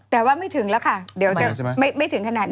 แต่ว่าไม่ถึงแล้วค่ะเดี๋ยวจะไม่ถึงขนาดนี้